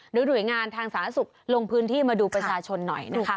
หน่วยงานทางสาธารณสุขลงพื้นที่มาดูประชาชนหน่อยนะคะ